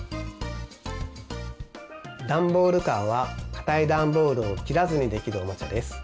ダンボールカーはかたいダンボールを切らずにできるおもちゃです。